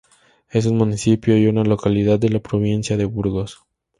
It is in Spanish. Es un municipio y una localidad de la provincia de Burgos.